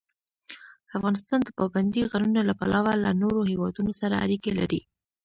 افغانستان د پابندی غرونه له پلوه له نورو هېوادونو سره اړیکې لري.